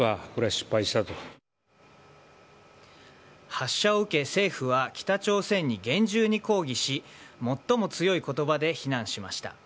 発射を受け政府は北朝鮮に厳重に抗議し最も強い言葉で非難しました。